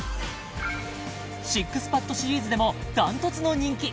ＳＩＸＰＡＤシリーズでもダントツの人気